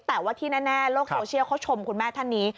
แต่ว่าที่แน่โลกโซเชียลเขาชมคุณแม่ท่านนี้